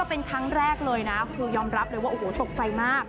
หนุ่มคนนี้เขาเปิดใจกันหน่อยค่ะ